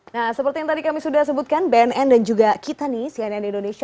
nah seperti yang tadi kami sudah sebutkan bnn dan juga kita nih cnn indonesia